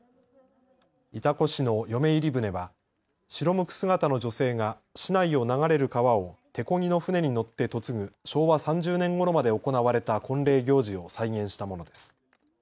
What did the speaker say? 潮来市の嫁入り舟は白むく姿の女性が市内を流れる川を手こぎの舟に乗って嫁ぐ昭和３０年ごろまで行われた婚礼行事を再現したものです。